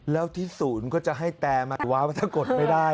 แล้วที่ศูนย์ก็จะให้แต่หมายความว่าถ้ากดไม่ได้